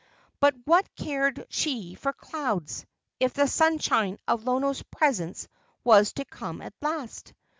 But what cared she for clouds, if the sunshine of Lono's presence was to come at last?